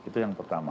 itu yang pertama